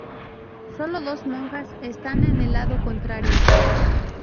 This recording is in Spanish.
Sólo dos monjas están en el lado contrario.